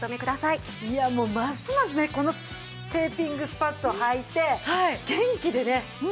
いやもうますますねこのテーピングスパッツをはいて元気でね